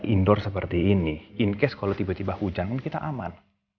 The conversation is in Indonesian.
indoor seperti ini in case kalau tiba tiba hujan kita aman